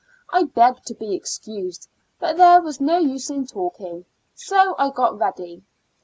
I beofSfed to be excused, but O CO ' there was no use in talking; so I got ready.